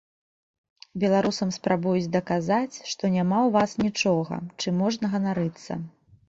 Беларусам спрабуюць даказаць, што няма ў вас нічога, чым можна ганарыцца.